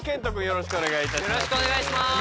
よろしくお願いします。